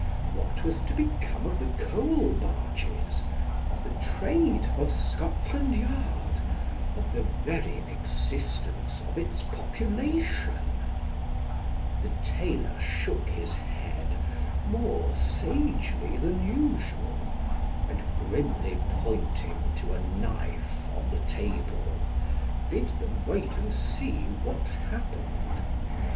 What was to become of the coal barges of tho trade of Scotland Yard of the very existence of its population '? Tho tailor shook his head more sagely than iisual, and grimly pointing to a knife on tho table, bid them wait and see what happened.